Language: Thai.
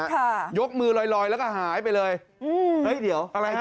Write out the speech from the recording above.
ค่ะยกมือลอยแล้วก็หายไปเลยเฮ้ยเดี๋ยวอะไรฮะ